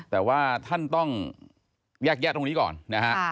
แต่ว่าท่านต้องแยกแยะตรงนี้ก่อนนะฮะ